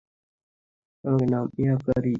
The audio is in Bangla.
আমার নাম ইয়াকারি।